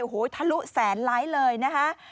โอ้โหทะลุแสนไลค์เลยนะคะ